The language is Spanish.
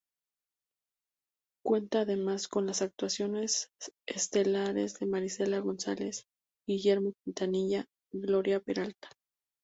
Cuenta además con las actuaciones estelares de Marisela González, Guillermo Quintanilla, Gloria Peralta.